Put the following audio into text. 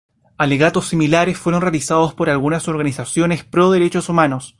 Alegatos similares fueron realizados por algunas organizaciones pro derechos humanos.